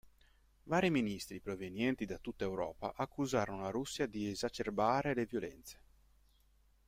Vari ministri provenienti da tutta Europa accusarono la Russia di esacerbare le violenze.